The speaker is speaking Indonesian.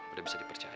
udah bisa dipercaya